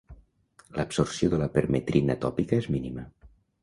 L'absorció de la permetrina tòpica es mínima.